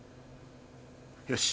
よし。